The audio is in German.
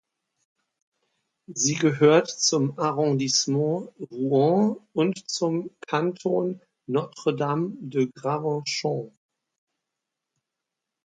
Sie gehört zum Arrondissement Rouen und zum Kanton Notre-Dame-de-Gravenchon.